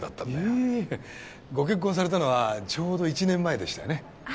えっご結婚されたのはちょうど１年前でしたよね？